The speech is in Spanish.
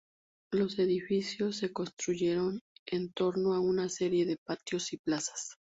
Los edificios se construyeron en torno a una serie de patios y plazas.